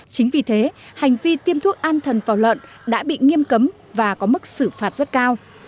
chính vì thế hành vi tiêm thuốc an thần vào lợn đã bị nghiêm cấm và có mức xử phạt rất cao